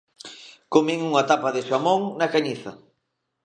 Comín unha tapa de xamón na Cañiza.